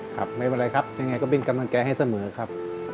ครับไม่เป็นไรครับยังไงก็เป็นกำลังใจให้เสมอครับ